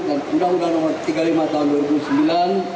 dan undang undang nomor tiga puluh lima tahun dua ribu sembilan